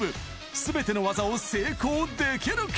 すべての技を成功できるか。